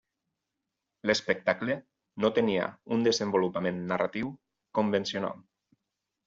L'espectacle no tenia un desenvolupament narratiu convencional.